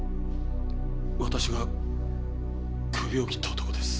私がクビを切った男です。